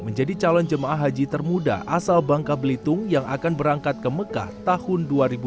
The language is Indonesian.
menjadi calon jemaah haji termuda asal bangka belitung yang akan berangkat ke mekah tahun dua ribu dua puluh